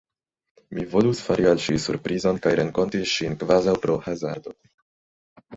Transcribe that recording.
Mi volus fari al ŝi surprizon, kaj renkonti ŝin kvazaŭ pro hazardo.